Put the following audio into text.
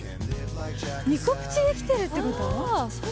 ニコプチで来てるってこと？